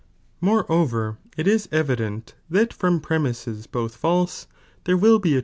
Moreover it is evident that from preniisos both ^rcnifsl"^"? ^elae there will be a.